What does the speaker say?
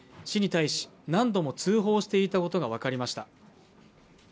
市に対し何度も通報していたことが分かりました